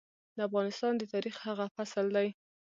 د افغانستان د تاريخ هغه فصل دی.